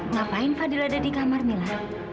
ngapain fadil ada di kamar mila